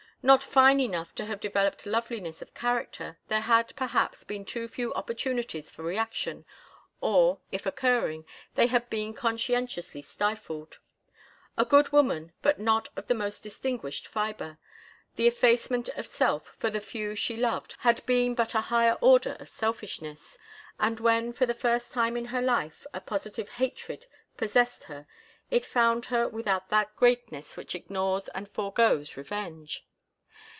Not fine enough to have developed loveliness of character, there had, perhaps, been too few opportunities for reaction, or, if occurring, they had been conscientiously stifled. A good woman, but not of the most distinguished fibre, the effacement of self for the few she loved had been but a higher order of selfishness, and when for the first time in her life a positive hatred possessed her it found her without that greatness which ignores and foregoes revenge.